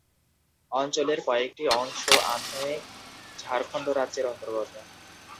অঞ্চলের কয়েকটি অংশ আধুনিক ঝাড়খণ্ড রাজ্যের অন্তর্গত।